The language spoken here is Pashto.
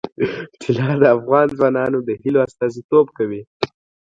طلا د افغان ځوانانو د هیلو استازیتوب کوي.